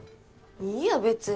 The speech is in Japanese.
いいよ別に。